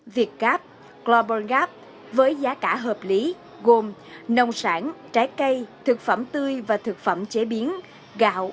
việt gap global gap với giá cả hợp lý gồm nông sản trái cây thực phẩm tươi và thực phẩm chế biến gạo